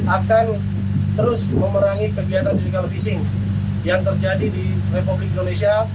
akan terus memerangi kegiatan illegal fishing yang terjadi di republik indonesia